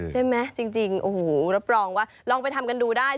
ใช่ไหมจริงโอ้โหรับรองว่าลองไปทำกันดูได้